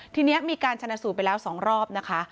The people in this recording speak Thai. ทีนี้มีการชนะสูตรไปแล้ว๒รอบนะคะ